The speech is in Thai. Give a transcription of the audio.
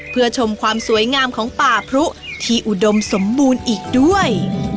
เพื่อชมความสวยงามของป่าพรุที่อุดมสมบูรณ์อีกด้วย